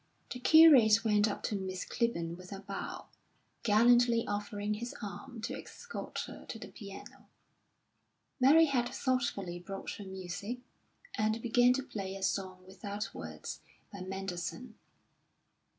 The curate went up to Miss Clibborn with a bow, gallantly offering his arm to escort her to the piano. Mary had thoughtfully brought her music, and began to play a 'Song Without Words,' by Mendelssohn.